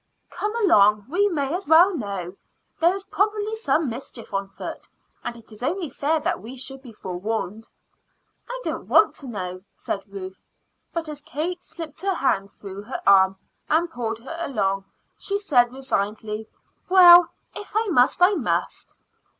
"Come along; we may as well know. There is probably some mischief on foot, and it is only fair that we should be forewarned." "I don't want to know," said Ruth; but as Kate slipped her hand through her arm and pulled her along, she said resignedly, "Well, if I must I must."